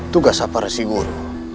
tugas apa resi guru